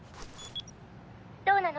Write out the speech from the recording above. どうなの？